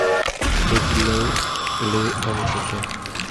Betty Lou le abofetea.